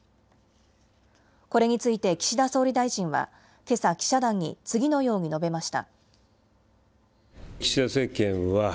これについて岸田総理大臣はけさ、記者団に次のように述べました。